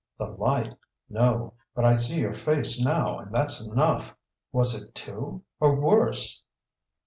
"The light no; but I see your face now, and that's enough. Was it two or worse?"